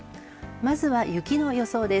まずは雪の予想です。